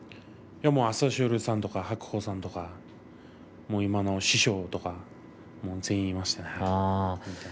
朝青龍さんとか白鵬さんとか今の師匠とか全員いましたね。